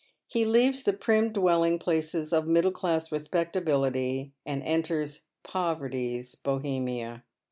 He leaves the prim dwelling places of middle class respectability, and enters poverty's Bolieniia.